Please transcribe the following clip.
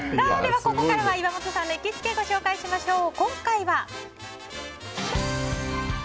ここからは岩本さんの行きつけをご紹介しましょう。